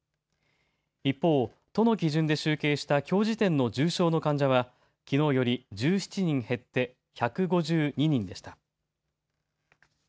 一方、都の基準で集計したきょう時点の重症の患者はきのうより１７人減って１５２人でした。